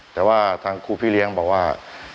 แต่ว่าทางครูพี่เลี้ยงบอกว่า